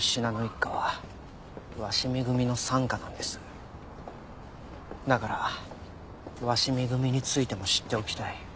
だから鷲見組についても知っておきたい。